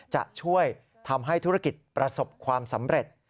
จะช่วยทำให้ธุรกิจประสบความสำเร็จ